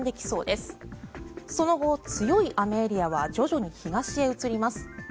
その後、強い雨エリアは徐々に東へ移ります。